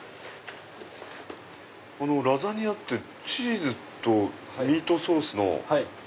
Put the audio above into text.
ラザニアってチーズとミートソースの。